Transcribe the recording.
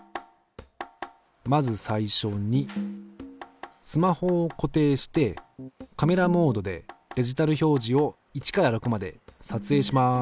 まず最初にスマホを固定してカメラモードでデジタル表示を１から６まで撮影します。